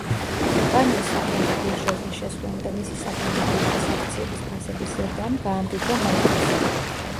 კომპანიის საფონდო ბირჟაზე შესვლამ და მისი საფონდო ბირჟის აქციების ფასების ზრდამ, გაამდიდრა მაიკროსოფტი.